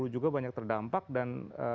juga banyak terdampak dan